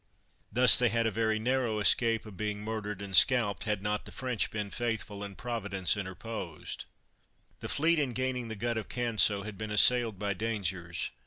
Thus they had a very narrow escape of being murdered and scalped, had not the French been faithful, and Providence interposed. The fleet, in gaining the Gut of Canso, had been assailed by dangers.